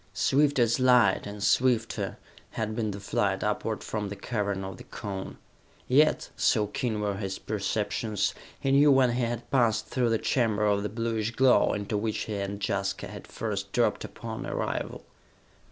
Swift as light, and swifter, had been the flight upward from the Cavern of the Cone; yet, so keen were his perceptions, he knew when he had passed through the chamber of the bluish glow, into which he and Jaska had first dropped upon arrival.